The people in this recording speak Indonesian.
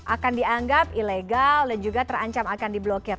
akan dianggap ilegal dan juga terancam akan diblokir